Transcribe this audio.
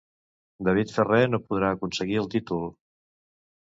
David Ferrer no podrà aconseguir el títol.